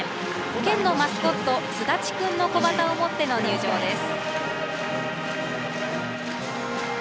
県のマスコット、すだちくんの小旗を持っての入場です。